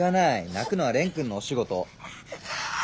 泣くのは蓮くんのお仕事。